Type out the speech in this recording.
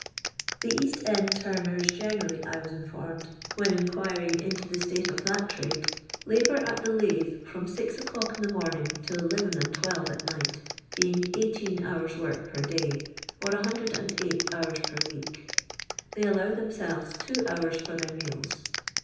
The Ka.Ht cnd turners j^enerally, I was informed, when inqnirin? into tiie state of that trade, labnur at iiie iaihe frum six o'clock in the mjrnin,:^ till elevt n and twelve at night, being lb hours' work per day, or IwS hours per week. Tliey allow tl)em»elves two hours for their meals.